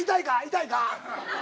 痛いか？